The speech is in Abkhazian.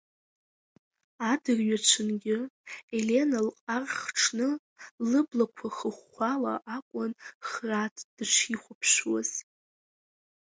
Адырҩаҽынгьы Елена лҟар хҽны, лыблақәа хыхәхәала акәын Храҭ дышихәаԥшуаз…